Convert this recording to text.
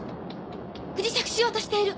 不時着しようとしている。